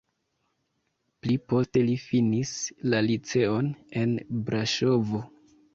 Pli poste li finis la liceon en Braŝovo.